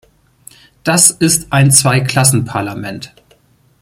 Das ist ein Zweiklassen-Parlament.